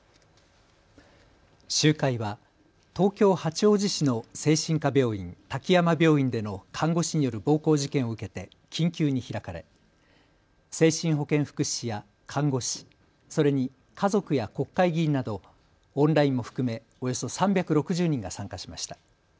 集会は東京八王子市の精神科病院、滝山病院での看護師による暴行事件を受けて緊急に開かれ精神保健福祉士や看護師、それに家族や国会議員などオンラインも含めおよそ３６０人が参加しました。